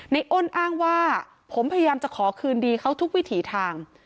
อ้นอ้างว่าผมพยายามจะขอคืนดีเขาทุกวิถีทาง